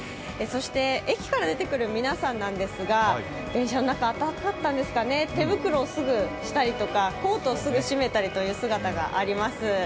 駅から出てくる皆さんですが電車の中、あったかかったんですかね、手袋をすぐしたり、コートをすぐ閉めたりという姿があります。